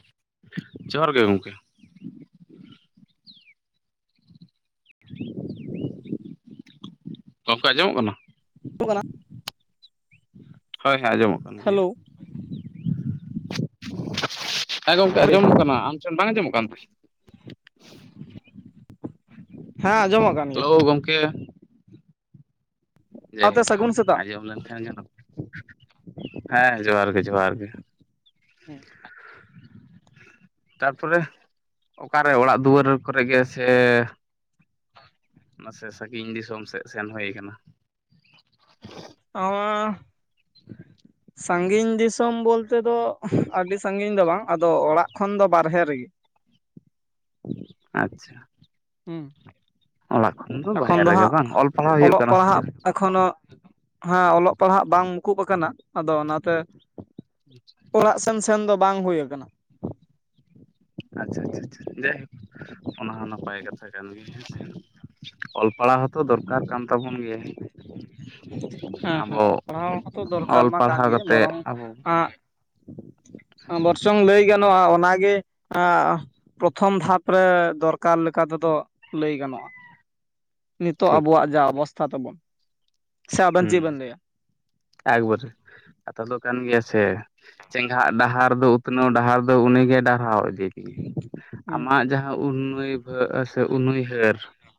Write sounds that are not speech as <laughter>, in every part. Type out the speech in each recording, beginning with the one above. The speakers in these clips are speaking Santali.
<inaudible> ᱡᱚᱦᱟᱨ ᱜᱮ ᱜᱚᱝᱠᱮ᱾ <inaudible> ᱜᱚᱢᱠᱮ ᱟᱹᱡᱚᱢᱼᱚᱜ ᱠᱟᱱᱟ? <unintelligible> ᱦᱳᱭ ᱦᱳᱭ ᱟᱸᱡᱚᱢᱚᱜ ᱠᱟᱱ ᱜᱮᱭᱟ᱾ ᱦᱮᱞᱳ ᱦᱮᱸ ᱜᱚᱢᱠᱮ ᱟᱸᱚᱢᱚᱜ ᱠᱟᱱᱟ᱾ ᱟᱢ ᱴᱷᱮᱱ ᱵᱟᱝ ᱟᱡᱚᱢᱚᱜ ᱠᱟᱱ ᱛᱮ? ᱦᱮᱸ ᱟᱸᱡᱚᱢᱚᱜ ᱠᱟᱱᱟ᱾ ᱦᱮᱞᱳ ᱜᱚᱢᱠᱮ, ᱥᱟᱶᱛᱮ ᱡᱟᱭᱦᱳᱠ ᱥᱟᱹᱜᱩᱱ ᱥᱮᱛᱟᱜ ᱟᱸᱡᱚᱢ ᱞᱮᱱ ᱠᱷᱟᱱ ᱜᱮ ᱱᱟᱯ ᱦᱮᱸ ᱡᱚᱦᱟᱨ ᱜᱮ ᱡᱚᱦᱟᱨ ᱜᱮ᱾ ᱛᱟᱨᱯᱚᱨᱮ ᱚᱠᱟᱨᱮ ᱚᱲᱟᱜ ᱫᱩᱣᱟᱹᱨ ᱠᱚᱨᱮ ᱜᱮ ᱥᱮ? ᱢᱟᱥᱮ ᱥᱟᱹᱜᱤᱧ ᱫᱤᱥᱚᱢ ᱥᱮᱜ ᱥᱮᱱ ᱦᱩᱭ ᱠᱟᱱᱟ? ᱚᱸ <unintelligible> <inaudible> ᱥᱟᱺᱜᱤᱧ ᱫᱤᱥᱚᱢ ᱵᱚᱞᱛᱮ ᱫᱚ ᱟᱹᱰᱤ ᱥᱟᱺᱜᱤᱧ ᱫᱚ ᱵᱟᱝ, ᱟᱫᱚ ᱚᱲᱟᱜ ᱠᱷᱚᱱ ᱫᱚ ᱵᱟᱨᱦᱮ ᱨᱮᱜᱮ᱾ ᱟᱪᱪᱷᱟ᱾ ᱦᱮᱸ, ᱚᱲᱟᱜ ᱠᱷᱚᱱ ᱵᱟᱦᱮᱨ ᱮᱠᱷᱚᱱ ᱫᱚ ᱨᱮᱜᱮ ᱵᱟᱝ ᱦᱟᱸᱜ ᱚᱞ ᱯᱟᱲᱦᱟᱣ ᱦᱩᱭᱩᱜ ᱚᱞᱚᱜ ᱠᱟᱱᱟ ᱥᱮ ᱯᱟᱲᱦᱟᱜ ᱪᱮᱫ ᱮᱠᱷᱚᱱᱳ ᱦᱮᱸ ᱚᱞᱚᱜ ᱯᱟᱲᱦᱟᱜ ᱵᱟᱝ ᱢᱩᱠᱩᱵ ᱟᱠᱟᱱᱟ᱾ ᱟᱫᱚ ᱚᱱᱟᱛᱮ ᱟᱪᱪᱷᱟ ᱛᱮᱢ ᱥᱮᱱ ᱫᱚ ᱵᱟᱝ ᱦᱩᱭ ᱟᱠᱟᱱᱟ᱾ ᱟᱪᱪᱷᱟ ᱟᱪᱪᱷᱟ᱾ ᱡᱟᱭᱦᱳᱠ ᱚᱱᱟ ᱦᱚᱸ ᱱᱟᱯᱟᱭ ᱠᱟᱛᱷᱟ ᱠᱟᱱ ᱜᱮᱭᱟ ᱦᱮᱸᱥᱮ᱾ ᱚᱞ ᱯᱟᱲᱦᱟᱣ ᱦᱚᱸᱛᱚ ᱫᱚᱨᱠᱟᱨ ᱠᱟᱱ ᱛᱟᱵᱚᱱ ᱜᱮᱭᱟ᱾ ᱦᱮᱸ ᱦᱮᱸ ᱟᱵᱚ ᱚᱞ ᱯᱟᱲᱦᱟᱣ ᱦᱚᱸᱛᱚ ᱫᱚᱨᱠᱟᱨ ᱚᱞ ᱢᱟ ᱠᱟᱱ ᱯᱟᱲᱦᱟᱣ ᱜᱮᱭᱟ᱾ ᱠᱟᱛᱮᱜ ᱵᱚᱨᱚᱝ ᱟᱵᱚ <inaudible> ᱵᱚᱨᱪᱚᱝ ᱞᱟᱹᱭ ᱜᱟᱱᱚᱜᱼᱟ ᱚᱱᱟᱜᱮ ᱯᱨᱚᱛᱷᱚᱢ ᱫᱷᱟᱯ ᱨᱮ ᱫᱚᱨᱠᱟᱨ ᱞᱮᱠᱟ ᱛᱮᱫᱚ ᱞᱟᱹᱭ ᱜᱟᱱᱚᱜᱼᱟ᱾ ᱱᱤᱛᱳᱜ ᱴᱷᱤᱠ ᱟᱵᱚᱣᱟᱜ ᱡᱟ ᱚᱵᱚᱥᱛᱷᱟ ᱛᱟᱵᱚᱱ ᱥᱮ ᱟᱵᱮᱱ ᱦᱩ ᱪᱮᱫ ᱵᱮᱱ ᱞᱟᱹᱭᱟ? ᱮᱠᱵᱟᱨᱤ ᱠᱟᱛᱷᱟ ᱫᱚ ᱠᱟᱱ ᱜᱮᱭᱟ ᱥᱮ ᱪᱮᱸᱜᱷᱟᱜ ᱰᱟᱦᱟᱨ ᱫᱚ ᱩᱛᱱᱟᱹᱣ ᱰᱟᱦᱟᱨ ᱫᱚ ᱩᱱᱤᱜᱮ ᱰᱟᱨᱦᱟᱣ ᱤᱫᱤ ᱢᱮᱭᱟ ᱟᱢᱟᱜ ᱡᱟᱦᱟᱸ ᱩᱱᱩᱭᱵᱟ. ᱥᱮ ᱩᱱᱩᱭᱦᱟᱹᱨ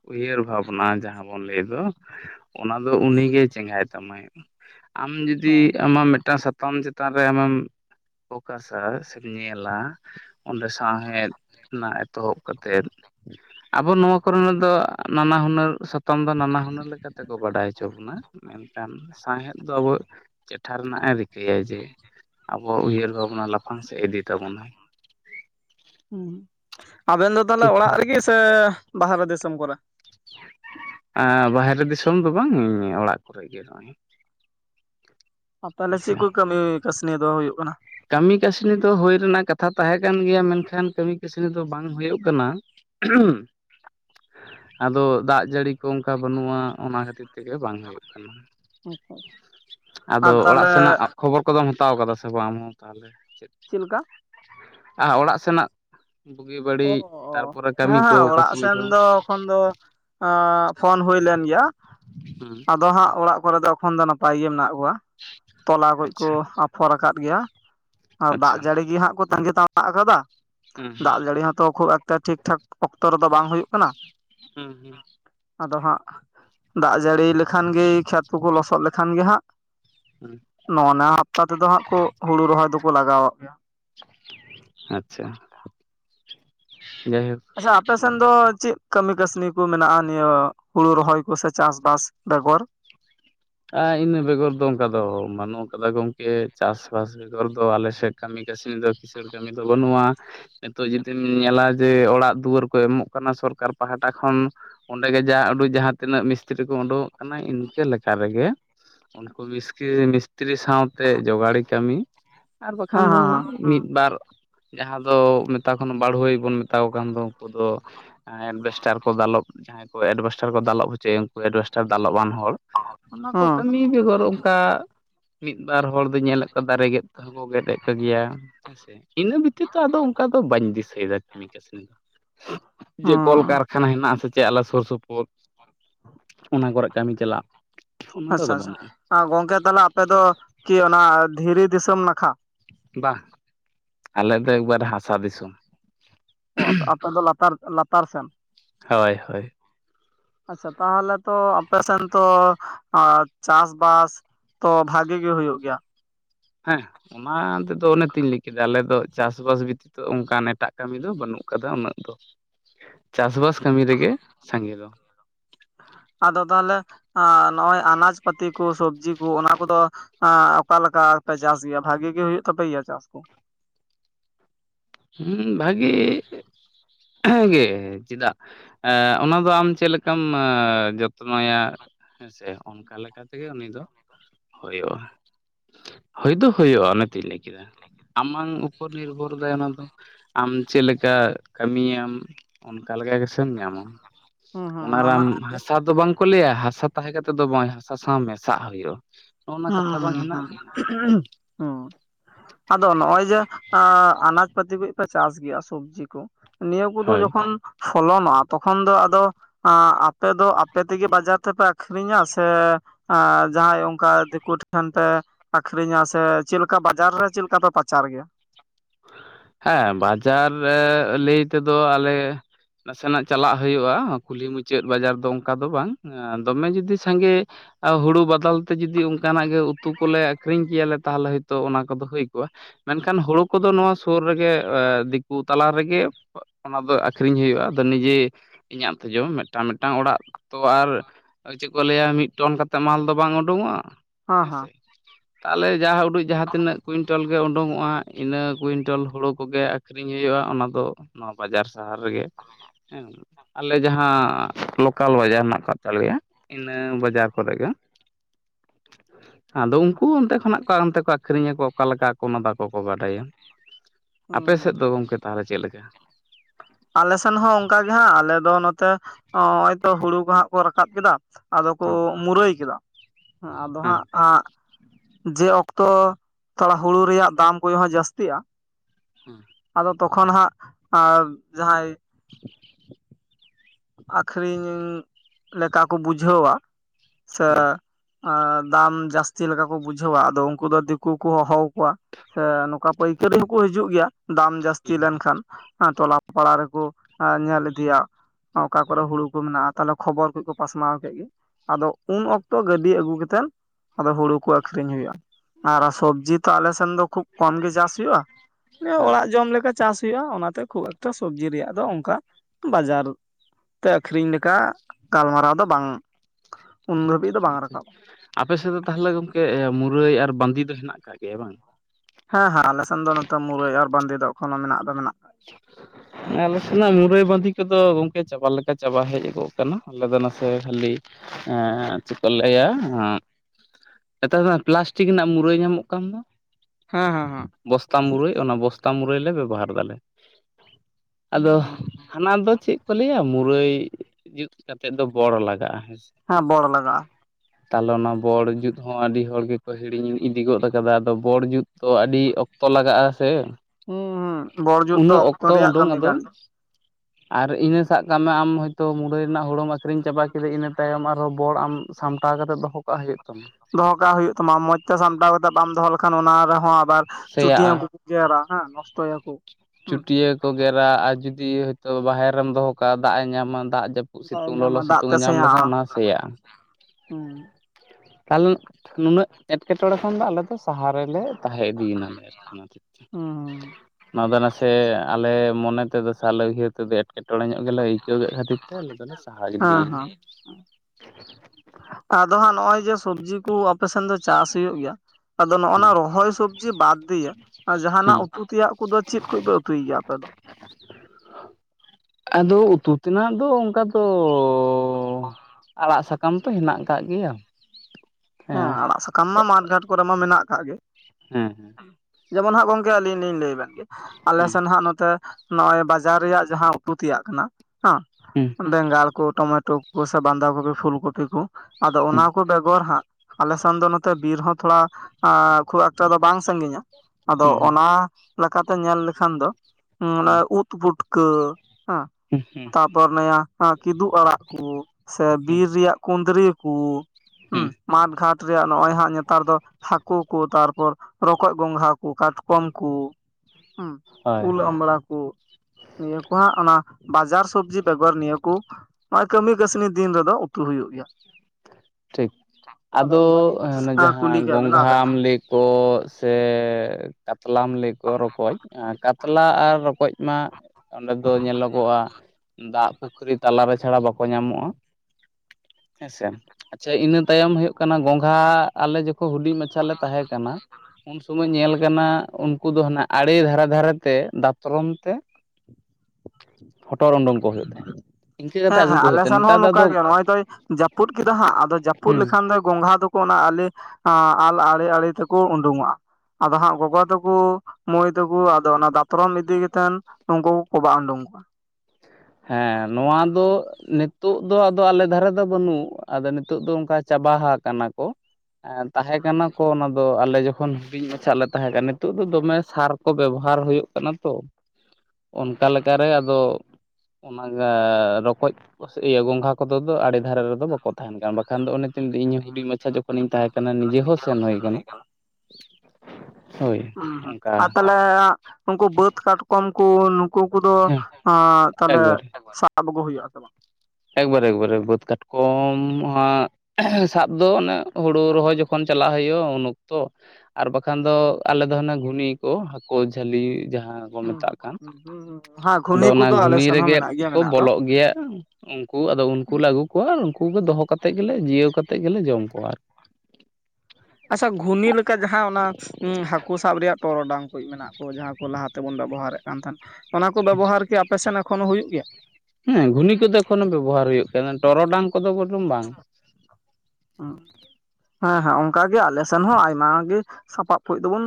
ᱩᱭᱦᱟᱹᱨ ᱵᱷᱟᱵᱽᱱᱟ ᱡᱟᱦᱟᱸ ᱵᱚᱱ ᱞᱟᱹᱭ ᱫᱚ ᱚᱱᱟ ᱫᱚ ᱩᱱᱤᱜᱮ ᱪᱮᱸᱜᱷᱟᱭ ᱛᱟᱢᱟᱭ ᱟᱢ ᱡᱩᱫᱤ ᱦᱮᱸ ᱟᱢᱟᱜ ᱢᱤᱫᱴᱟᱝ ᱥᱟᱛ ᱥᱟᱛᱟᱢ ᱪᱮᱛᱟᱱ ᱨᱮ ᱟᱢᱮᱢ ᱯᱷᱳᱠᱟᱥᱟ ᱥᱮᱢ ᱧᱮᱞᱟ ᱚᱸᱰᱮ ᱥᱟᱶᱦᱮᱫ ᱨᱮᱱᱟᱜ ᱮᱛᱚᱦᱚᱵ ᱠᱟᱛᱮᱫ ᱟᱵᱚ ᱱᱚᱣᱟ ᱠᱚᱨᱮᱱᱟᱜ ᱫᱚ ᱱᱟᱱᱟ ᱦᱩᱱᱟᱹᱨ ᱥᱟᱛᱟᱢ ᱫᱚ ᱱᱟᱱᱟᱦᱩᱱᱟᱹᱨ ᱞᱮ ᱠᱟᱛᱮ ᱠᱚ ᱵᱟᱰᱟᱭ ᱪᱚ ᱵᱚᱱᱟ ᱢᱮᱱᱠᱷᱟᱱ ᱥᱟᱶᱦᱮᱫ ᱫᱚ ᱟᱵᱚ ᱪᱮᱴᱷᱟ ᱨᱮᱱᱟᱜ ᱮ ᱨᱤᱠᱟᱹᱭᱟ ᱡᱮ ᱟᱵᱚᱣᱟᱜ ᱩᱭᱦᱟᱹᱨ ᱵᱷᱟᱵᱚᱱᱟ ᱞᱟᱯᱷᱟᱝ ᱥᱮᱫ ᱮ ᱤᱫᱤ ᱛᱟᱵᱚᱱᱟᱭ ᱩᱸ ᱟᱵᱮᱱ ᱫᱚ ᱛᱟᱦᱞᱮ ᱴᱷᱤᱠ ᱚᱲᱟᱜ ᱥᱟᱺᱦᱤᱡ ᱨᱮᱜᱮ ᱥᱮ ᱵᱟᱦᱨᱮ ᱫᱤᱥᱚᱢ ᱠᱚᱨᱮ ᱮ ᱵᱟᱦᱨᱮ ᱫᱤᱥᱚᱢ ᱫᱚ ᱵᱟᱝ ᱚᱲᱟᱜ ᱠᱚᱨᱮ ᱜᱮ ᱱᱚᱜᱼᱚᱭ ᱟᱨ ᱛᱟᱦᱚᱞᱮ ᱦᱮᱸᱥᱮ ᱪᱮᱫ ᱠᱚ ᱠᱟᱹᱢᱤ ᱠᱟᱹᱥᱱᱤ ᱫᱚ ᱦᱩᱭᱩᱜ ᱠᱟᱱᱟ ᱠᱟᱹᱢᱤ ᱠᱟᱹᱥᱱᱤ ᱫᱚ ᱦᱩᱭ ᱨᱮᱱᱟᱜ ᱠᱟᱛᱷᱟ ᱛᱟᱦᱮᱸ ᱠᱟᱱ ᱜᱮᱭᱟ ᱢᱮᱱᱠᱷᱟᱱ ᱠᱟᱹᱢᱤ ᱠᱟᱹᱥᱱᱤ ᱫᱚ ᱵᱟᱝ ᱦᱩᱭᱩᱜ ᱠᱟᱱᱟ <inaudible> ᱟᱫᱚ ᱫᱟᱜ ᱡᱟᱹᱲᱤ ᱠᱚ ᱚᱱᱠᱟ ᱵᱟᱹᱱᱩᱜᱼᱟ ᱚᱱᱟ ᱠᱷᱟᱹᱛᱤᱨ ᱛᱮᱜᱮ ᱵᱟᱝ ᱦᱩᱭᱩᱜ ᱠᱟᱱᱟ ᱟᱫᱚ ᱟᱨ ᱚᱲᱟᱜ ᱛᱟᱦᱚᱞᱮ ᱥᱮᱱᱟᱜ ᱠᱷᱚᱵᱚᱨ ᱠᱚᱫᱚᱢ ᱦᱟᱛᱟᱣ ᱠᱟᱫᱟ ᱥᱮ ᱵᱟᱝ ᱟᱢ ᱦᱚᱸ ᱛᱟᱦᱞᱮ ᱪᱮᱫ ᱪᱮᱫ ᱞᱮᱠᱟ ᱟ ᱚᱲᱟᱜ ᱥᱮᱱᱟᱜ ᱵᱩᱜᱤ ᱚ ᱵᱟᱹᱲᱤᱡ ᱚ ᱛᱟᱨᱯᱚᱨᱮ ᱠᱟᱹᱢᱤ ᱦᱮᱸ ᱠᱚ ᱦᱮᱸ ᱠᱟᱹᱥᱱᱤ ᱠᱚ ᱟᱸ ᱯᱷᱳᱱ ᱦᱩᱭ ᱞᱮᱱ ᱜᱮᱭᱟ ᱟᱫᱚ ᱦᱟᱸᱜ ᱚᱲᱟᱜ ᱠᱚᱨᱮ ᱫᱚ ᱮᱠᱷᱚᱱ ᱫᱚ ᱱᱟᱯᱟᱭ ᱜᱮ ᱢᱮᱱᱟᱜ ᱠᱚᱣᱟ ᱛᱚᱞᱟ ᱠᱚᱡ ᱠᱚ ᱟᱪᱪᱷᱟ ᱟ ᱯᱷᱚᱨ ᱠᱟᱫ ᱜᱮᱭᱟ ᱟᱨ ᱫᱟᱜ ᱟᱪᱪᱷᱟ ᱡᱟᱹᱲᱤ ᱜᱮ ᱦᱟᱸᱜ ᱠᱚ ᱛᱟᱸᱜᱤ ᱛᱟᱲ ᱢᱮᱱᱟᱜ ᱠᱟᱫᱟ ᱦᱩᱸ ᱫᱟᱜ ᱡᱟᱹᱲᱤ ᱦᱚᱸᱛᱚ ᱠᱷᱩᱵ ᱮᱠ ᱴᱷᱤᱠ ᱴᱷᱟᱠ ᱚᱠᱛᱚ ᱨᱮᱫᱚ ᱵᱟᱝ ᱦᱩᱭᱩᱜ ᱠᱟᱱᱟ ᱦᱩᱸ ᱦᱩᱸ ᱟᱫᱚ ᱦᱟᱸᱜ ᱫᱟᱜ ᱡᱟᱹᱲᱤ ᱞᱮᱠᱷᱟᱱ ᱜᱮ ᱠᱷᱮᱛ ᱠᱚ ᱠᱚ ᱞᱚᱥᱚᱫ ᱞᱮᱠᱷᱟᱱ ᱜᱮ ᱦᱟᱸᱜ ᱦᱩᱸ ᱱᱚᱣᱟ ᱱᱟ ᱦᱟᱯᱛᱟ ᱛᱮᱫᱚ ᱦᱟᱸᱜ ᱠᱚ ᱦᱩᱲᱩ ᱨᱚᱦᱚᱭ ᱫᱚᱠᱚ ᱞᱟᱜᱟᱣᱚᱜ ᱜᱮᱭᱟ ᱟᱪᱪᱷᱟ ᱡᱟᱭᱦᱳᱠ ᱟᱪᱪᱷᱟ ᱚᱱᱟ ᱚᱯᱮᱥᱮᱱ ᱠᱚ ᱫᱚ ᱪᱮᱫ ᱠᱟᱹᱢᱤ ᱠᱟᱹᱥᱱᱤ ᱠᱚ ᱢᱮᱱᱟᱜᱼᱟ ᱱᱤᱭᱟᱹ ᱦᱩᱲᱩ ᱨᱚᱦᱚᱭ ᱠᱚᱥᱮ ᱪᱟᱥᱵᱟᱥ ᱵᱮᱜᱚᱨ ᱮ ᱤᱱᱟᱹ ᱵᱮᱜᱚᱨ ᱫᱚ ᱚᱱᱠᱟ ᱫᱚ ᱵᱟᱹᱱᱩᱜ ᱠᱟᱫᱟ ᱜᱚᱢᱠᱮ ᱪᱟᱥᱵᱟᱥ ᱵᱮᱜᱚᱨ ᱫᱚ ᱟᱞᱮ ᱥᱮᱫ ᱠᱟᱹᱢᱤ ᱠᱟᱹᱥᱱᱤ ᱫᱚ ᱠᱤᱥᱟᱹᱲ ᱠᱟᱹᱢᱤ ᱫᱚ ᱵᱟᱹᱱᱩᱜᱼᱟ ᱱᱤᱛᱚᱜ ᱡᱩᱫᱤᱢ ᱧᱮᱞᱟ ᱡᱮ ᱚᱲᱟᱜ ᱫᱩᱣᱟᱹᱨ ᱠᱚ ᱮᱢᱚᱜ ᱠᱟᱱᱟ ᱥᱚᱨᱠᱟᱨ ᱯᱟᱦᱴᱟ ᱠᱷᱚᱱ ᱚᱸᱰᱮᱜᱮ ᱡᱟ ᱩᱰᱩᱡ ᱡᱟᱦᱟᱸ ᱛᱤᱱᱟᱹᱜ ᱢᱤᱥᱛᱨᱤ ᱠᱚ ᱩᱰᱩᱠᱚᱜ ᱠᱟᱱᱟ ᱤᱱᱠᱟᱹ ᱞᱮ ᱨᱮᱜᱮ ᱩᱱᱠᱩ ᱢᱤᱥᱠᱨᱤ ᱢᱤᱥᱛᱨᱤ ᱥᱟᱶᱛᱮ ᱡᱚᱜᱟᱲᱤ ᱠᱟᱹᱢᱤ ᱟᱨ ᱵᱟᱠᱷᱟᱱ ᱦᱮᱸ ᱫᱚ ᱦᱮᱸ ᱦᱮᱸ ᱢᱤᱫ ᱵᱟᱨ ᱡᱟᱦᱟᱸ ᱫᱚ ᱢᱮᱛᱟ ᱠᱷᱚᱱ ᱵᱟᱹᱲᱦᱚᱭ ᱵᱚᱱ ᱢᱮ ᱢᱮᱛᱟ ᱠᱚ ᱠᱟᱱ ᱫᱚ ᱩᱱᱠᱩ ᱫᱚ ᱮᱰᱵᱷᱮᱥᱴᱟᱨ ᱠᱚ ᱫᱟᱞᱚᱵ ᱡᱟᱦᱟᱸᱭ ᱠᱚ ᱮᱰᱵᱮᱥᱴᱟᱨ ᱠᱚ ᱫᱟᱞᱚᱵ ᱦᱚᱪᱚᱭᱟ ᱩᱱᱠᱩ ᱮᱥᱵᱮᱥᱴᱟᱨ ᱫᱟᱞᱚᱵ ᱟᱱ ᱦᱚᱲ ᱚᱱᱟ ᱠᱚ ᱦᱩᱸ ᱠᱟᱹᱢᱤ ᱵᱮᱜᱚᱨ ᱚᱱᱠᱟ ᱢᱤᱫ ᱵᱟᱨ ᱦᱚᱲ ᱧᱮᱞᱮᱫ ᱠᱚᱣᱟ ᱫᱟᱨᱮ ᱜᱮᱫ ᱛᱮᱦᱚᱸ ᱠᱚ ᱜᱮᱫ ᱠᱚᱜᱮᱭᱟ ᱦᱮᱥᱮ ᱤᱱᱟᱹ ᱵᱷᱤᱛᱤᱨ ᱫᱚ ᱟᱫᱚ ᱚᱱᱠᱟ ᱫᱚ ᱵᱟᱹᱧ ᱫᱤᱥ ᱥᱟ. ᱭ ᱫᱟ ᱠᱟ. ᱢᱤ ᱠᱟ. ᱥᱱᱤ ᱫᱚ ᱦᱩᱸ ᱢᱮ ᱦᱩᱸ ᱠᱚᱞᱠᱟᱨ ᱠᱷᱟᱱ ᱦᱮᱱᱟᱜᱼᱟᱥᱮ ᱪᱮᱫ ᱟᱞᱮ ᱥᱩᱨ ᱥᱩᱯᱩᱨ ᱚᱱᱟ ᱠᱚᱨᱮ ᱠᱟᱹᱢᱤ ᱪᱟᱞᱟᱜ ᱚᱱᱟ ᱫᱚ ᱟᱪᱪᱷᱟ ᱟᱫᱚ ᱵᱟᱹᱱᱩᱜᱼᱟ ᱟᱪᱪᱷᱟ ᱜᱚᱝᱠᱮ ᱛᱟᱦᱚᱞᱮ ᱟᱯᱮ ᱫᱚ ᱠᱤ ᱚᱱᱟ ᱫᱷᱤᱨᱤ ᱫᱤᱥᱚᱢ ᱱᱟᱠᱷᱟ ᱵᱟ ᱟᱞᱮ ᱫᱚ ᱮᱠᱵᱟᱨ ᱦᱟᱥᱟ ᱫᱤᱥᱚᱢ ᱚ ᱟᱯᱮ ᱫᱚ ᱞᱟᱛᱟᱨ ᱞᱟᱛᱟᱨ ᱥᱮᱱ ᱦᱳᱭ ᱦᱳᱭ ᱟᱪᱪᱷᱟ ᱛᱟᱦᱚᱞᱮ ᱛᱚ ᱟᱯᱮ ᱥᱮᱱ ᱫᱚ ᱟᱸ ᱪᱟᱥᱵᱟᱥ ᱛᱚ ᱵᱷᱟᱜᱮ ᱜᱮ ᱦᱩᱭᱩᱜ ᱜᱮᱭᱟ ᱦᱮᱸ ᱚᱱᱟᱛᱮ ᱫᱚ ᱚᱱᱮ ᱛᱩᱧ ᱞᱟᱹᱭ ᱠᱮᱫᱟ ᱟᱞᱮ ᱫᱚ ᱪᱟᱥᱵᱟᱥ ᱵᱮᱛᱤᱛᱚ ᱚᱱᱠᱟᱱ ᱮᱴᱟᱜ ᱠᱟᱹᱢᱤ ᱫᱚ ᱵᱟᱹᱱᱩᱜ ᱠᱟᱫᱟ ᱩᱱᱟᱹᱜ ᱫᱚ ᱪᱟᱥᱵᱟᱥ ᱠᱟᱹᱢᱤ ᱨᱮᱜᱮ ᱥᱟᱸᱜᱮ ᱫᱚ ᱟᱫᱚ ᱛᱟᱦᱚᱞᱮ ᱦᱟᱸ ᱱᱚᱜᱼᱚᱭ ᱟᱱᱟᱡ ᱯᱟᱹᱛᱤ ᱠᱚ ᱥᱚᱵᱽᱡᱤ ᱠᱚ ᱚᱱᱟ ᱠᱚᱫᱚ ᱟᱸ ᱚᱠᱟᱞᱮᱠᱟ ᱯᱮ ᱪᱟᱥ ᱜᱮᱭᱟ ᱵᱷᱟᱜᱤ ᱜᱮ ᱦᱩᱭᱩᱜ ᱛᱟᱯᱮ ᱜᱮᱭᱟ ᱪᱟᱥ ᱠᱚ ᱦᱩᱸ ᱵᱷᱟᱜᱤ ᱦᱮᱸ ᱜᱮ ᱪᱮᱫᱟᱜ ᱟᱻ ᱚᱱᱟ ᱫᱚ ᱟᱢ ᱪᱮᱫ ᱞᱮᱠᱟᱢ ᱡᱚ ᱱᱚᱭᱟᱜ ᱦᱮᱸ ᱥᱮ ᱚᱱᱠᱟ ᱞᱮᱠᱟ ᱛᱮᱜᱮ ᱩᱱᱤ ᱫᱚ <inaudible> ᱦᱩᱭᱩᱜᱼᱟ ᱦᱚᱭ ᱫᱚ ᱦᱩᱭᱩᱜᱼᱟ ᱚᱱᱟ ᱛᱤᱱ ᱟᱢᱟᱝ ᱩᱯᱚᱨ ᱱᱤᱨᱵᱷᱚᱨ ᱫᱟᱭ ᱚᱱᱟ ᱫᱚ ᱟᱢ ᱪᱮᱫ ᱞᱮᱠᱟ ᱠᱟᱹᱢᱤᱭᱟᱢ ᱚᱱᱠᱟ ᱞᱮᱠᱟ ᱜᱮ ᱥᱮ ᱧᱟᱢᱟᱢ ᱦᱩᱸ ᱦᱩᱸ ᱚᱱᱟ ᱢᱟ ᱚᱱᱟᱨᱮᱟᱢ ᱦᱟᱥᱟ ᱫᱚ ᱵᱟᱝ ᱠᱚ ᱞᱟᱹᱭᱟ ᱦᱟᱥᱟ ᱛᱟᱦᱮᱸ ᱠᱟᱛᱮᱫ ᱫᱚ ᱵᱟᱝ ᱦᱟᱥᱟ ᱥᱟᱶ ᱢᱮᱥᱟᱜ ᱦᱩᱭᱩᱜᱼᱟ ᱱᱚᱜᱼᱚ ᱱᱚᱣᱟ ᱠᱟᱛᱷᱟ ᱵᱟᱝ ᱦᱮᱱᱟᱜ ᱟᱠᱟᱫᱟ <unintelligible> ᱟᱫᱚ ᱱᱚᱜᱚᱭ ᱡᱮ ᱟᱸ ᱟᱱᱟᱡ ᱯᱟᱛᱤ ᱠᱚᱯᱮ ᱪᱟᱥ ᱜᱮᱭᱟ ᱥᱚᱵᱽᱡᱤ ᱠᱚ ᱱᱤᱭᱟᱹ ᱠᱚᱫᱚ ᱦᱳᱭ ᱡᱚᱠᱷᱚᱱ ᱯᱷᱚᱞᱚᱱᱚᱜᱟ ᱛᱚᱠᱷᱚᱱ ᱫᱚ ᱟᱫᱚ ᱟᱸ ᱟᱯᱮ ᱫᱚ ᱟᱯᱮ ᱛᱮᱜᱮ ᱵᱟᱡᱟᱨ ᱛᱮᱯᱮ ᱟᱠᱷᱨᱤᱧᱟ ᱥᱮ ᱟᱸ ᱡᱟᱦᱟᱸᱭ ᱚᱱᱠᱟᱱ ᱫᱤᱠᱩ ᱴᱷᱮᱱ ᱯᱮ ᱟᱠᱷᱨᱤᱧᱟ ᱥᱮ ᱪᱮᱫ ᱞᱮᱠᱟ ᱵᱟᱡᱟᱨ ᱨᱮ ᱪᱮᱫ ᱞᱮᱠᱟ ᱯᱮ ᱯᱟᱪᱟᱨ ᱜᱮᱭᱟ ᱦᱮᱸ ᱵᱟᱡᱟᱨ ᱨᱮ ᱞᱟᱹᱭ ᱛᱮᱫᱚ ᱟᱞᱮ ᱱᱟᱥᱮᱱᱟᱜ ᱪᱟᱞᱟᱜ ᱦᱩᱭᱩᱜᱼᱟ ᱠᱩᱞᱦᱤ ᱢᱩᱪᱟᱹᱫ ᱵᱟᱡᱟᱨ ᱫᱚ ᱚᱱᱠᱟ ᱫᱚ ᱵᱟᱝ ᱟᱸ ᱫᱚᱢᱮ ᱡᱩᱫᱤ ᱥᱟᱸᱜᱮ ᱦᱩᱲᱩ ᱵᱟᱫᱚᱞ ᱛᱮ ᱡᱩᱫᱤ ᱚᱱᱠᱟᱱᱟᱜ ᱜᱮ ᱩᱛᱩ ᱠᱚᱞᱮ ᱟᱠᱷᱨᱤᱧ ᱠᱮᱭᱟᱞᱮ ᱛᱟᱦᱚᱞᱮ ᱦᱳᱭ ᱛᱚ ᱚᱱᱟ ᱠᱚᱫᱚ ᱦᱩᱭ ᱠᱚᱜᱼᱟ ᱢᱮᱱᱠᱷᱟᱱ ᱦᱩᱲᱩ ᱠᱚᱫᱚ ᱱᱚᱣᱟ ᱥᱩᱨ ᱨᱮᱜᱮ <unintelligible> ᱫᱤᱠᱩ ᱛᱟᱞᱟ ᱨᱮᱜᱮ ᱚᱱᱟ ᱫᱚ ᱟᱠᱷᱨᱤᱧ ᱦᱩᱭᱩᱜᱼᱟ ᱟᱫᱚ ᱱᱤᱡᱮ ᱤᱧᱟᱹᱜ ᱛᱚ ᱡᱚᱢ ᱢᱤᱫᱴᱟᱝᱼᱢᱤᱫᱴᱟᱝ ᱚᱲᱟᱜ ᱛᱚ ᱟᱨ ᱪᱮᱫ ᱠᱚ ᱞᱟᱹᱭᱟ ᱢᱤᱫ ᱴᱚᱱ ᱠᱟᱛᱮ ᱢᱟᱞ ᱫᱚ ᱵᱟᱝ ᱩᱰᱩᱠᱚᱜᱼᱟ ᱦᱮᱸ ᱦᱮᱸ ᱦᱮᱸᱥᱮ ᱛᱟᱦᱚᱞᱮ ᱡᱟᱦᱟᱸ <unintelligible> ᱡᱟᱦᱟᱸ ᱛᱤᱱᱟᱹᱜ ᱠᱩᱭᱤᱱᱴᱟᱞ ᱜᱮ ᱩᱰᱩᱝᱚᱜᱼᱟ ᱤᱱᱟᱹ ᱠᱩᱭᱤᱱᱴᱟᱞ ᱦᱩᱲᱩ ᱠᱚᱜᱮ ᱟᱠᱷᱨᱤᱧ ᱦᱩᱭᱩᱜᱼᱟ ᱚᱱᱟ ᱫᱚ ᱱᱚᱣᱟ ᱵᱟᱡᱟᱨ ᱥᱟᱦᱟᱨ ᱨᱮᱜᱮ ᱟᱞᱮ ᱡᱟᱦᱟᱸ ᱞᱳᱠᱟᱞ ᱵᱟᱡᱟᱨ ᱦᱮᱱᱟᱜ ᱟᱠᱟᱫ ᱛᱟᱞᱮᱭᱟ ᱤᱱᱟᱹ ᱵᱟᱡᱟᱨ ᱠᱚᱨᱮ ᱜᱮ ᱟᱫᱚ ᱩᱱᱠᱩ ᱚᱱᱛᱮ ᱠᱷᱚᱱᱟᱜ ᱠᱚ ᱚᱱᱛᱮ ᱠᱚ ᱟᱠᱠᱷᱨᱤᱧᱟᱠᱚ ᱚᱠᱟ ᱞᱮᱠᱟ ᱚᱱᱟ ᱫᱚ ᱟᱠᱚ ᱠᱚᱠᱚ ᱵᱟᱰᱟᱭᱟ ᱦᱩᱸ ᱟᱯᱮ ᱥᱮᱫ ᱦᱩᱸ ᱫᱚ ᱜᱚᱢᱠᱮ ᱛᱟᱦᱚᱞᱮ ᱪᱮᱫ ᱞᱮᱠᱟ ᱟᱞᱮᱥᱮᱱ ᱦᱚᱸ ᱚᱱᱠᱟ ᱜᱮ ᱦᱟᱸᱜ ᱟᱞᱮ ᱫᱚ ᱱᱚᱛᱮ ᱱᱚᱜᱚᱭᱛᱚ ᱦᱩᱲᱩ ᱠᱚᱦᱚ ᱦᱟᱸᱜ ᱠᱚ ᱨᱟᱠᱟᱵ ᱠᱮᱫᱟ ᱟᱫᱚ ᱠᱚ ᱦᱮᱸ ᱢᱩᱨᱟᱹᱭ ᱠᱮᱫᱟ ᱟᱫᱚ ᱦᱮᱸ ᱦᱟᱸᱜ ᱡᱮ ᱚᱠᱛᱚ <unintelligible> ᱦᱩᱲᱩ ᱨᱮᱭᱟᱜ ᱫᱟᱢ ᱠᱚᱦᱚ ᱡᱟᱹᱥᱛᱤᱜᱼᱟ <unintelligible> ᱟᱫᱚ ᱛᱚᱠᱷᱚᱱ ᱦᱟᱸᱜ ᱟᱸ ᱡᱟᱦᱟᱸᱭ ᱟᱠᱷᱨᱤᱧ ᱞᱮᱠᱟ ᱠᱚ ᱵᱩᱡᱷᱟᱹᱣᱟ ᱥᱮ ᱦᱮᱸ ᱦᱮᱸ ᱟ ᱫᱟᱢ ᱡᱟᱹᱥᱛᱤ ᱞᱮᱠᱟ ᱠᱚ ᱵᱩᱡᱷᱟᱹᱣᱟ ᱟᱫᱚ ᱩᱱᱠᱩ ᱫᱚ ᱫᱤᱠᱩ ᱠᱚ ᱦᱚᱦᱚ ᱟᱠᱚᱣᱟ ᱥᱮ ᱱᱚᱝᱠᱟ ᱯᱟᱹᱭᱠᱟᱹᱨᱤ ᱦᱚᱸᱠᱚ ᱦᱤᱡᱩᱜ ᱜᱮᱭᱟ ᱫᱟᱢ ᱡᱟᱹᱥᱛᱤ ᱦᱮᱸ ᱞᱮᱱᱠᱷᱟᱱ ᱟᱸ ᱴᱚᱞᱟ ᱯᱟᱲᱟ ᱨᱮᱠᱚ ᱧᱮᱞ ᱤᱫᱤᱭᱟ ᱚᱠᱟ ᱠᱚᱨᱮ ᱦᱩᱲᱩ ᱠᱚ ᱢᱮᱱᱟᱜᱼᱟ ᱛᱟᱦᱞᱮ ᱠᱷᱚᱵᱚᱨ ᱠᱚ ᱠᱚ ᱯᱟᱥᱱᱟᱣ ᱠᱮᱫ ᱜᱮ ᱟᱫᱚ ᱩᱱ ᱚᱠᱛᱚ ᱜᱟᱹᱰᱤ ᱟᱹᱜᱩ ᱠᱟᱛᱮᱱ ᱟᱫᱚ ᱦᱩᱲᱩ ᱠᱚ ᱟᱹᱷᱨᱤᱧ ᱦᱩᱭᱩᱜᱼᱟ ᱟᱨ ᱥᱚᱵᱽᱡᱤ ᱛᱚ ᱟᱞᱮ ᱥᱮᱱ ᱫᱚ ᱠᱷᱩᱵ ᱠᱚᱢ ᱜᱮ ᱪᱟᱥ ᱦᱩᱭᱩᱜᱼᱟ <unintelligible> ᱟᱪᱪᱷᱟ ᱚᱲᱟᱜ ᱡᱚᱢ ᱞᱮᱠᱟ ᱪᱟᱥ ᱦᱩᱭᱩᱜᱼᱟ ᱚᱱᱟᱛᱮ ᱠᱷᱩᱵ ᱮᱠᱴᱟ ᱥᱚᱵᱽᱡᱤ ᱨᱮᱭᱟᱜ ᱫᱚ ᱚᱱᱠᱟ ᱵᱟᱡᱟᱨ ᱛᱮ ᱟᱠᱷᱨᱤᱧ ᱞᱮᱠᱟ ᱜᱟᱞᱢᱟᱨᱟᱣ ᱫᱚ ᱵᱟᱝ <unintelligible> ᱟᱪᱪᱷᱟ <unintelligible> ᱨᱟᱠᱟᱵᱼᱟ ᱟᱯᱮ ᱥᱮᱫ ᱫᱚ ᱛᱟᱦᱚᱞᱮ ᱜᱚᱝᱠᱮ ᱢᱩᱨᱟᱹᱭ ᱟᱨ ᱵᱟᱸᱫᱤ ᱫᱚ ᱦᱮᱱᱟᱜ ᱟᱠᱟᱜ ᱜᱮᱭᱟ ᱵᱟᱝ ᱦᱮᱸ ᱦᱮᱸ ᱟᱞᱮᱥᱮᱱ ᱫᱚ ᱱᱚᱛᱮ ᱢᱩᱨᱟᱹᱭ ᱟᱨ ᱵᱟᱸᱫᱤ ᱫᱚ ᱮᱠᱷᱚᱱᱚ ᱢᱮᱱᱟᱜ ᱫᱚ ᱢᱮᱱᱟᱜ <inaudible> ᱟᱞᱮ ᱥᱮᱱᱟᱜ ᱢᱩᱨᱟᱹᱭ ᱵᱟᱸᱫᱷᱤ ᱠᱚᱫᱚ ᱜᱚᱝᱠᱮ ᱪᱟᱵᱟ ᱞᱮᱠᱟ ᱪᱟᱵᱟ ᱦᱮᱡᱜᱚᱜ ᱠᱟᱱᱟ ᱟᱞᱮ ᱫᱚ ᱱᱟᱥᱮ ᱠᱷᱟᱹᱞᱤ ᱮᱸ ᱪᱮᱫ ᱠᱚ ᱞᱟᱹᱭᱟ <unintelligible> ᱱᱮᱛᱟᱨ ᱫᱚ ᱯᱞᱟᱥᱴᱤᱠ ᱨᱮᱱᱟᱜ ᱢᱩᱨᱟᱹᱭ ᱧᱟᱢᱚᱜ ᱠᱟᱱ ᱫᱚ ᱦᱮᱸ ᱦᱮᱸ ᱦᱮᱸ ᱵᱚᱥᱛᱟ ᱢᱩᱨᱟᱹᱭ ᱚᱱᱟ ᱵᱚᱥᱛᱟ ᱢᱩᱨᱟᱹᱭ ᱞᱮ ᱵᱮᱵᱚᱦᱟᱨ ᱫᱟᱞᱮ ᱟᱫᱚ ᱦᱟᱱᱟ ᱫᱚ ᱪᱮᱫ ᱠᱚ ᱞᱟᱹᱭᱟ ᱢᱩᱨᱟᱹᱭ ᱡᱩᱛ ᱠᱟᱛᱮ ᱫᱚ ᱵᱚᱲ ᱞᱟᱜᱟᱜᱼᱟ ᱦᱮᱸᱥᱮ ᱦᱮᱸ ᱵᱚᱲ ᱞᱟᱜᱟᱜᱼᱟ ᱛᱟᱦᱞᱮ ᱚᱱᱟ ᱵᱚᱲ ᱡᱩᱛ ᱦᱚᱸ ᱟᱹᱰᱤ ᱦᱚᱲ ᱜᱮ ᱦᱤᱲᱤᱧ ᱤᱫᱤ ᱜᱚᱫ ᱟᱠᱟᱫᱟ ᱟᱫᱚ ᱵᱚᱲ ᱡᱩᱛ ᱫᱚ ᱟᱹᱰᱤ ᱚᱠᱛᱚ ᱞᱟᱜᱟᱜ-ᱟ ᱥᱮ ᱦᱩᱸᱻ ᱵᱚᱲ ᱡᱩᱫ ᱫᱚ ᱩᱱᱟᱹᱜ ᱚᱠᱛᱚ ᱨᱮᱭᱟᱜ ᱩᱰᱩᱝ ᱠᱟᱹᱢᱤ ᱟᱫᱚ ᱠᱟᱱ ᱜᱮᱭᱟ ᱟᱨ ᱤᱱᱟᱹ ᱥᱟᱵ ᱠᱟᱜ ᱢᱮ ᱟᱢ ᱦᱚᱭᱛᱚ ᱢᱩᱲᱟᱹᱭ ᱨᱮᱱᱟᱜ ᱦᱩᱲᱩᱢ ᱟᱹᱠᱷᱨᱤᱧ ᱪᱟᱵᱟ ᱠᱮᱫᱟ ᱤᱱᱟᱹ ᱛᱟᱭᱚᱢ ᱟᱨᱦᱚᱸ ᱵᱚᱲ ᱟᱢ ᱥᱟᱢᱴᱟᱣ ᱠᱟᱛᱮᱜ ᱫᱚᱦᱚᱠᱟᱜ ᱦᱩᱭᱩᱜ ᱛᱟᱢᱟ ᱫᱚᱦᱚ ᱠᱟᱜ ᱦᱩᱭᱩᱜ ᱛᱟᱢᱟ ᱢᱚᱸᱡᱽ ᱛᱮ ᱥᱟᱢᱴᱟᱣ ᱠᱟᱛᱮᱜ ᱵᱟᱢ ᱫᱚᱦᱚ ᱞᱮᱠᱷᱟᱱ ᱚᱱᱟ ᱨᱮᱦᱚᱸ ᱟᱵᱟᱨ ᱪᱩᱴᱭᱟ ᱥᱮᱭᱟᱜᱼᱟ ᱡᱟᱣᱨᱟᱜ-ᱟ ᱦᱟᱜ ᱱᱚᱥᱴᱚᱭ ᱟᱠᱳ ᱾ ᱪᱩᱴᱭᱟ ᱠᱚ ᱜᱮᱨᱟ ᱟᱨ ᱡᱩᱫᱤ ᱦᱚᱭᱛᱚ ᱵᱟᱦᱮᱨ ᱨᱮᱢ ᱫᱚᱦᱚ ᱠᱟᱜᱼᱟ ᱫᱟᱜ ᱮ ᱧᱟᱢᱟ ᱫᱟᱜ ᱡᱟᱹᱼᱼ <unintelligible> ᱫᱟᱜ ᱮ ᱥᱤᱛᱩᱝ ᱠᱚᱞᱚ ᱧᱟᱢᱟ ᱫᱟᱜ ᱥᱤᱛᱩᱝ ᱛᱮ ᱮ ᱧᱟᱢ ᱞᱮᱠᱷᱟᱱ ᱥᱮᱭᱟᱜᱼᱟ ᱚᱱᱟ ᱥᱮᱭᱟᱜᱼᱟ ᱦᱩᱸ ᱛᱟᱦᱚᱞᱮ ᱱᱩᱱᱟᱹᱜ ᱮᱴᱠᱮ ᱴᱚᱬᱮ ᱠᱷᱚᱱ ᱫᱚ ᱟᱞᱮ ᱫᱚ ᱥᱟᱦᱟ ᱨᱮᱞᱮ ᱛᱟᱦᱮᱸ ᱤᱫᱤᱭᱮᱱᱟᱞᱮ ᱟᱨᱠᱤ ᱚᱱᱟ ᱦᱚᱛᱮᱡ ᱛᱮ ᱦᱩᱸ ᱚᱱᱟ ᱫᱚ ᱱᱟᱥᱮ ᱟᱞᱮ ᱢᱚᱱᱮ ᱛᱮᱫᱚ ᱥᱮ ᱟᱞᱮ ᱩᱭᱦᱟᱹᱮ ᱛᱮᱫᱚ ᱮᱴ ᱮᱴᱠᱮᱴᱚᱬᱮ ᱧᱚᱜ ᱜᱮᱞᱮ ᱟᱹᱭᱠᱟᱹᱣ ᱠᱮᱫ ᱠᱷᱟᱹᱛᱤᱨ ᱛᱮ ᱟᱞᱮ ᱫᱚᱞᱮ ᱥᱟᱦᱟ ᱦᱮᱸ ᱜᱤᱰᱤᱭᱱᱟ ᱦᱮᱸ ᱟᱫᱚ ᱦᱟᱸᱜ ᱱᱚᱜᱼᱚᱭ ᱡᱮ ᱥᱚᱵᱡᱤ ᱠᱚ ᱟᱯᱮ ᱥᱮᱱ ᱫᱚ ᱪᱟᱥ ᱦᱩᱭᱩᱜ ᱜᱮᱭᱟ ᱟᱫᱚ ᱱᱚᱜᱼᱚ ᱦᱮᱸ ᱱᱟ ᱨᱚᱦᱚᱭ ᱥᱚᱵᱡᱤ ᱵᱟᱫᱽ ᱫᱤᱭᱮ ᱟᱨ ᱦᱮᱸ ᱡᱟᱦᱟᱱᱟᱜ ᱩᱛᱩ ᱛᱮᱭᱟᱜ ᱠᱚᱫᱚ ᱪᱮᱫ ᱠᱚᱯᱮ ᱩᱛᱩᱭ ᱜᱮᱭᱟ ᱟᱯᱮ ᱫᱚ ᱟᱫᱚ ᱩᱛᱩ ᱛᱮᱱᱟᱜ ᱫᱚ ᱚᱱᱠᱟ ᱫᱚᱻ ᱟᱲᱟᱜ ᱥᱟᱠᱟᱢ ᱛᱚ ᱦᱮᱱᱟᱜ ᱠᱟᱜ ᱜᱮᱭᱟ ᱦᱮᱸ ᱟᱲᱟᱜ ᱥᱟᱠᱟᱢ ᱢᱟ ᱢᱟᱴᱷ ᱜᱷᱟᱴ ᱠᱚᱨᱮ ᱢᱟ ᱢᱮᱱᱟᱜ ᱠᱟᱜ ᱜᱮ ᱦᱮᱸ ᱦᱮᱸ ᱡᱮᱢᱚᱱ ᱦᱟᱸᱜ ᱜᱚᱝᱠᱮ ᱟᱹᱞᱤᱧ ᱞᱤᱧ ᱞᱟᱹᱭ ᱫᱟ ᱜᱮ ᱟᱞᱮ ᱦᱮᱸ ᱥᱮᱱ ᱦᱟᱸᱜ ᱱᱚᱛᱮ ᱱᱚᱜ ᱚᱭ ᱵᱟᱡᱟᱨ ᱨᱮᱭᱟᱜ ᱡᱟᱦᱟᱸ ᱩᱛᱩ ᱛᱮᱭᱟᱜ ᱠᱟᱱᱟ ᱦᱟ ᱦᱩᱸ ᱵᱮᱸᱜᱟᱲ ᱠᱚ ᱴᱚᱢᱮᱴᱳ ᱠᱚ ᱥᱮ ᱵᱟᱸᱫᱷᱟ ᱠᱚᱯᱤ ᱯᱷᱩᱞ ᱠᱚᱯᱤ ᱠᱚ ᱟᱫᱚ ᱚᱱᱟ ᱦᱩᱸ ᱠᱚ ᱵᱮᱜᱚᱨ ᱦᱟᱸᱜ ᱟᱞᱮᱥᱮᱱ ᱫᱚ ᱱᱚᱛᱮ ᱵᱤᱨ ᱦᱚᱸ ᱛᱷᱚᱲᱟ ᱠᱷᱩᱵ ᱮᱠᱴᱟ ᱫᱚ ᱵᱟᱝ ᱥᱟᱹᱜᱤᱧᱟ ᱟᱫᱚ ᱦᱩᱸ ᱚᱱᱟ ᱞᱮᱠᱟᱛᱮ ᱧᱮᱞ ᱞᱮᱠᱷᱟᱱ ᱫᱚ ᱚᱱᱟ ᱦᱩᱸ ᱩᱫ ᱯᱷᱩᱴᱠᱟᱹ ᱦᱮᱸ ᱦᱩᱸ ᱦᱩᱸ ᱛᱟ ᱵᱚᱨᱱᱚᱭᱟ ᱠᱤᱫᱩᱜ ᱟᱲᱟᱜ ᱠᱩ ᱥᱮ ᱦᱩᱸ ᱵᱤᱨ ᱨᱮᱭᱟᱜ ᱠᱩᱸᱫᱽᱨᱤ ᱠᱚ ᱦᱩᱸ ᱢᱟᱴ ᱜᱷᱟᱴ ᱨᱮᱭᱟᱜ ᱱᱚᱜᱼᱚᱭ ᱦᱟᱸᱜ ᱱᱮᱛᱟᱼᱼ ᱛᱟᱨ ᱫᱚ ᱦᱟᱠᱩ ᱠᱚ ᱛᱟᱨᱯᱚᱨ ᱨᱚᱠᱚᱡ ᱜᱚᱝᱜᱷᱟ ᱠᱚ ᱠᱟᱴᱠᱚᱢ ᱠᱚ ᱦᱩᱸ ᱦᱳᱭ ᱩᱞ ᱦᱳᱭ ᱟᱢᱲᱟ ᱠᱚ ᱱᱤᱭᱟᱹ ᱠᱚ ᱦᱟᱸᱜ ᱚᱱᱟ ᱵᱟᱡᱟᱨ ᱥᱚᱵᱡᱤ ᱵᱮᱜᱚᱨ ᱱᱤᱭᱟᱹ ᱠᱚ ᱱᱚᱜᱼᱚᱭ ᱠᱟᱹᱢᱤ ᱠᱟᱹᱥᱱᱤ ᱫᱤᱱ ᱨᱮᱫᱚ ᱩᱛᱩ ᱦᱩᱭᱩᱜ ᱜᱮᱭᱟ ᱴᱷᱤᱠ ᱟᱫᱚ ᱚᱱᱮ ᱠᱩᱞᱤ ᱡᱟᱦᱟᱸ ᱠᱮᱫ ᱵᱮᱱᱟ ᱟᱵᱮᱱ ᱜᱚᱝᱜᱷᱟᱢ ᱦᱚᱸ ᱞᱟᱹᱭᱼᱼ ᱠᱚ ᱥᱮ ᱠᱟᱛᱞᱟᱢ ᱞᱟᱹᱭ ᱠᱚ ᱨᱚᱠᱚᱡ ᱠᱟᱛᱞᱟ ᱟᱨ ᱨᱚᱠᱚᱡ ᱢᱟ ᱚᱸᱰᱮ ᱫᱚ ᱧᱮᱞᱚᱜᱚᱜᱼᱟ ᱫᱟᱜ ᱯᱩᱠᱷᱨᱤ ᱛᱟᱞᱟᱨᱮ ᱪᱷᱟᱲᱟ ᱵᱟᱠᱚ ᱧᱟᱢᱼᱼ ᱧᱟᱢᱚᱜᱼᱟ ᱦᱮᱸᱥᱮ ᱟᱪᱪᱷᱟ ᱤᱱᱟᱹ ᱛᱟᱭᱚᱢ ᱦᱩᱭᱩᱜ ᱠᱟᱱᱟ ᱜᱚᱝᱜᱷᱟᱻ ᱟᱞᱮ ᱡᱚᱠᱷᱚ ᱦᱩᱰᱤᱜ ᱢᱟᱪᱷᱟ ᱞᱮ ᱛᱟᱦᱮᱸ ᱠᱟᱱᱟ ᱩᱱ ᱥᱚᱢᱚᱭ ᱧᱮᱞ ᱠᱟᱱᱟ ᱩᱱᱠᱩ ᱫᱚ ᱦᱟᱱᱟ ᱟᱲᱮ ᱫᱷᱟᱨᱮ ᱫᱷᱟᱨᱮ ᱛᱮ ᱫᱟᱛᱨᱚᱢ ᱛᱮ ᱦᱚᱴᱚᱨ ᱩᱰᱳᱝ ᱠᱚ ᱦᱩᱭᱩᱜ ᱛᱟᱦᱮᱸᱜᱼᱟ ᱤᱱᱠᱟᱹ ᱠᱟᱛᱮᱜ ᱦᱮᱸ ᱟᱹᱜᱩ ᱦᱮᱸ ᱠᱚ ᱟᱞᱮ ᱦᱩᱭᱩᱜ ᱛᱟᱦᱮᱸ ᱥᱮᱱ ᱱᱮᱛᱟᱨ ᱦᱚᱸ ᱫᱚ ᱱᱚᱝᱠᱟ ᱟᱫᱚ ᱜᱮ ᱱᱚᱜᱼᱚᱭ ᱡᱟᱹᱯᱩᱫ ᱠᱮᱫᱟ ᱦᱟᱸᱜ ᱟᱫᱚ ᱡᱟᱹᱯᱩᱫ ᱦᱮᱸ ᱞᱮᱠᱷᱟᱱ ᱫᱚ ᱜᱚᱸᱝᱜᱷᱟ ᱫᱚᱠᱚ ᱚᱱᱟ ᱟᱞᱮ ᱟᱞ ᱟᱲᱮ ᱟᱲᱮ ᱛᱮᱠᱚ ᱩᱰᱳᱝᱚᱜᱼᱟ ᱟᱫᱚ ᱦᱟᱸᱜ ᱜᱚᱜᱚ ᱛᱟᱠᱚ ᱢᱟᱹᱭ ᱛᱟᱠᱚ ᱟᱫᱚ ᱚᱱᱟ ᱫᱟᱛᱨᱚᱢ ᱤᱫᱤ ᱠᱟᱛᱮᱱ ᱩᱱᱠᱩ ᱠᱚ ᱠᱚᱵᱟᱜ ᱩᱰᱩᱝ ᱠᱚᱣᱟ ᱦᱮᱸ ᱱᱚᱣᱟ ᱫᱚ ᱱᱤᱛᱼᱼ ᱱᱤᱛᱚᱜ ᱫᱚ ᱟᱫᱚ ᱟᱞᱮ ᱫᱷᱟᱨᱮ ᱫᱚ ᱵᱟᱹᱱᱩᱜ ᱟᱫᱚ ᱱᱤᱛᱚᱜ ᱫᱚ ᱚᱱᱠᱟ ᱪᱟᱵᱟ ᱦᱟ ᱟᱠᱟᱱᱟ ᱠᱚ ᱛᱟᱦᱮᱸ ᱠᱟᱱᱟ ᱠᱚ ᱚᱱᱟ ᱫᱚ ᱟᱞᱮ ᱡᱚᱠᱷᱚᱱ ᱦᱩᱰᱤᱧ ᱢᱟᱪᱷᱟ ᱞᱮ ᱛᱟᱦᱮᱸ ᱠᱟᱱᱟ ᱱᱤᱛᱚᱜ ᱫᱚ ᱫᱚᱢᱮ ᱥᱟᱨ ᱠᱚ ᱵᱮᱵᱚᱦᱟᱨ ᱦᱩᱭᱩᱜ ᱠᱟᱱᱟ ᱛᱚ ᱚᱱᱠᱟ ᱞᱮᱠᱟᱨᱮ ᱟᱫᱚ ᱚᱱᱟ ᱨᱚᱠᱚᱡ ᱤᱭᱟᱹ ᱜᱚᱝᱜᱷᱟ ᱠᱚᱫᱚ ᱟᱹᱰᱤ ᱫᱷᱟᱨᱮ ᱨᱮ ᱫᱚ ᱵᱟᱠᱚ ᱛᱟᱦᱮᱱ ᱠᱟᱱ ᱵᱟᱠᱷᱟᱱ ᱫᱚ ᱚᱱᱮ ᱛ ᱤᱧ ᱦᱩᱰᱤᱧ ᱢᱟᱪᱷᱟ ᱡᱚᱠᱷᱚᱱᱤᱧ ᱛᱟᱦᱮᱸ ᱠᱟᱱᱟ ᱱᱤᱡᱮ ᱦᱚᱸ ᱥᱮᱱ ᱦᱩᱭ ᱠᱟᱱᱟ <unintelligible> ᱦᱳᱭ ᱚᱱᱠᱟ ᱦ ᱟᱨ ᱛᱟᱦᱚᱞᱮ ᱱᱩᱠᱩ ᱵᱟᱹᱫ ᱠᱟᱴᱠᱚᱢ ᱠᱩ ᱩᱱᱠᱩ ᱠᱚ ᱫᱚ ᱦᱮᱸ ᱛᱟᱦᱞᱮ ᱮᱠᱵᱟᱨᱮ ᱥᱟᱵ ᱟᱹᱜᱩ ᱦᱩᱭᱩᱜ ᱥᱮ ᱵᱟᱝ ᱮᱠᱵᱟᱨᱮ ᱮᱠᱵᱟᱨᱮ ᱵᱟᱹᱫᱽ ᱠᱟᱴᱠᱚᱢ ᱥᱟᱵ ᱫᱚ ᱚᱱᱮ ᱦᱩᱲᱩ ᱨᱚᱦᱚᱭ ᱡᱚᱠᱷᱚᱱ ᱪᱟᱞᱟᱜ ᱦᱩᱭᱩᱜᱳᱼᱟ ᱩᱱᱩ ᱛᱚ ᱟᱨ ᱵᱟᱠᱷᱟᱱ ᱫᱚ ᱟᱞᱮ ᱫᱚ ᱦᱟᱱᱟ ᱜᱷᱩᱱᱤ ᱠᱚ ᱦᱟᱹᱠᱩ ᱡᱷᱟᱹᱞᱤ ᱡᱟᱦᱟᱸ ᱢᱮᱛᱟᱜ ᱠᱟᱱ ᱦᱮᱸ ᱟᱫᱚ ᱜᱷᱩᱱᱤ ᱚᱱᱟ ᱠᱚᱫᱚ ᱟᱞᱮ ᱜᱷᱩᱱᱤ ᱥᱮᱱ ᱦᱚᱸ ᱨᱮᱜᱮ ᱢᱮᱱᱟᱜ ᱜᱮᱭᱟ ᱠᱚ ᱢᱮᱱᱟᱜ ᱫᱚ ᱵᱚᱞᱚᱜ ᱜᱮᱭᱟ ᱩᱱᱠᱩ ᱟᱫᱚ ᱩᱱᱠᱩ ᱞᱮ ᱟᱹᱜᱩ ᱠᱚᱣᱟ ᱩᱱᱠᱩ ᱜᱮ ᱫᱚᱦᱚ ᱠᱟᱛᱮᱫ ᱜᱮᱞᱮ ᱡᱤᱭᱟᱹᱣ ᱠᱟᱛᱮᱜ ᱜᱮᱞᱮ ᱡᱚᱢ ᱠᱚᱣᱟ ᱟᱨᱠᱤ ᱟᱪᱪᱷᱟ ᱜᱷᱩᱱᱤ ᱞᱮᱠᱟ ᱡᱟᱦᱟᱸ ᱚᱱᱟ ᱦ ᱦᱟᱠᱩ ᱥᱟᱵ ᱨᱮᱭᱟᱜ ᱴᱚᱨᱚᱰᱟᱝ ᱠᱚ ᱢᱮᱱᱟᱜ ᱠᱚ ᱡᱟᱦᱟᱸ ᱠᱚ ᱞᱟᱦᱟ ᱛᱮᱵᱚᱱ ᱵᱮᱵᱚᱦᱟᱨᱮᱫ ᱛᱟᱦᱮᱸᱱ ᱚᱱᱟ ᱠᱚ ᱵᱮᱵᱚᱦᱟᱨ ᱠᱤ ᱟᱯᱮᱥᱮᱱ ᱮᱠᱷᱚᱱ ᱦᱚᱸ ᱦᱩᱭᱩᱜ ᱜᱮᱭᱟ ᱦᱮᱸ ᱜᱷᱩᱱᱤ ᱠᱚᱫᱚ ᱮᱠᱷᱚᱱᱳ ᱵᱮᱵᱚᱦᱟᱨ ᱦᱩᱭᱩᱜ ᱠᱟᱱᱟ ᱴᱚᱨᱚᱰᱟᱝ ᱠᱚᱫᱚ ᱵᱚᱨᱚᱱ ᱵᱟᱝ ᱦᱮᱸ ᱦᱮᱸ ᱚᱱᱠᱟ ᱜᱮ ᱟᱞᱮ ᱥᱮᱱ ᱦᱚᱸ ᱟᱭᱢᱟ ᱜᱮ ᱥᱟᱯᱟᱵ ᱠᱷᱟᱡ ᱫᱚᱵᱚᱱ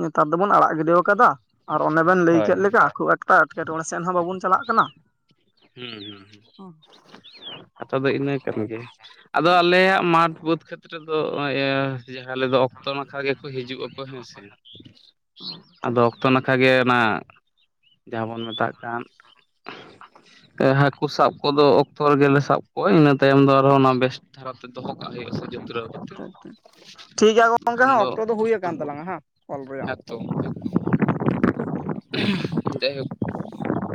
ᱱᱮᱛᱟᱨ ᱫᱚᱵᱚᱱ ᱟᱲᱟᱜ ᱜᱤᱰᱤ ᱟᱠᱟᱫᱟ ᱟᱨ ᱚᱱᱮ ᱵᱮᱱ ᱞᱟᱹᱭ ᱦᱳᱭ ᱠᱮᱫ ᱞᱮᱠᱟ ᱠᱷᱩᱵ ᱮᱠᱴᱟ ᱮᱴᱠᱮᱴᱚᱬᱮ ᱥᱮᱫ ᱦᱚᱸ ᱵᱟᱵᱚᱱ ᱪᱟᱞᱟᱜ ᱠᱟᱱᱟ ᱦᱩᱸ ᱦᱩᱸ ᱦᱩᱸ ᱛᱚᱵᱮ ᱤᱱᱟᱹ ᱠᱟᱱ ᱜᱮᱭᱟ᱾ ᱟᱫᱚ ᱟᱞᱮᱭᱟᱜ ᱢᱟᱴᱷ ᱵᱟᱹᱫᱽ ᱠᱷᱟᱹᱛ ᱨᱮᱫᱚ <unintelligible> ᱡᱟᱦᱟᱸ ᱟᱞᱮᱫᱚ ᱚᱠᱛᱚ ᱱᱟᱠᱷᱟ ᱜᱮᱠᱚ ᱦᱤᱡᱩᱜ ᱟᱠᱚ ᱦᱮᱸ ᱥᱮ᱾ ᱴᱷᱤᱠ ᱟᱫᱚ ᱚᱠᱛᱚ ᱱᱟᱠᱷᱟ ᱜᱮ, ᱚᱱᱟ ᱡᱟᱦᱟᱸ ᱵᱚᱱ ᱢᱮᱛᱟᱜ ᱠᱟᱱ ᱦᱟᱹᱠᱩ ᱥᱟᱵ ᱠᱚᱫᱚ ᱚᱠᱛᱚ ᱨᱮᱜᱮ ᱞᱮ ᱥᱟᱵ ᱠᱚᱣᱟ᱾ᱤᱱᱟᱹ ᱛᱟᱭᱚᱢ ᱫᱚ ᱟᱨᱚ ᱚᱱᱟ ᱵᱮᱥ ᱫᱷᱟᱨᱟᱛᱮ ᱫᱚᱦᱚ ᱠᱟᱜ ᱦᱩᱭᱩᱜᱼᱟ ᱥᱮ ᱡᱟᱹᱛᱨᱟᱹᱣ ᱠᱟᱛᱮᱫ᱾ ᱴᱷᱤᱠᱜᱮᱭᱟ ᱜᱚᱝᱠᱮ ᱦᱚᱸ ᱚᱠᱛᱚ ᱫᱚ ᱦᱩᱭ ᱟᱠᱟᱱ ᱛᱟᱞᱟᱝᱟ ᱦᱟᱸ ᱠᱚᱞ ᱨᱮᱭᱟᱜ ᱚᱠᱛᱚ ᱦᱮᱸᱛᱚ ᱫᱚ᱾ <unintelligible> ᱡᱟᱭᱦᱳᱠ